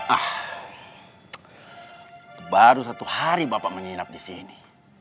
ah baru satu hari bapak menginap di sini